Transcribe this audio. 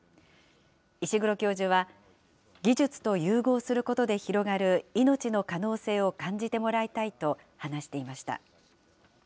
石黒教授は、技術と融合することで広がるいのちの可能性を感じてもらいたいと話していました。